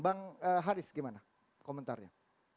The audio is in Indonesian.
bang haris gimana komentarnya